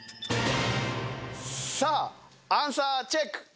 さあアンサーチェック！